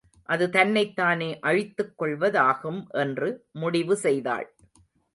அது தன்னைத் தானே அழித்துக் கொள்வதாகும் என்று முடிவு செய்தாள்.